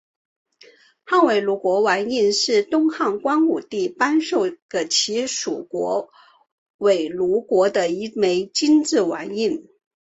汉倭奴国王印是东汉光武帝颁授给其属国倭奴国的一枚金制王印。